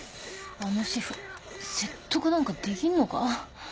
あのシェフ説得なんかできんのか？